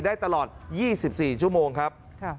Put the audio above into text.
ได้ตลอด๒๔ชั่วโมงครับ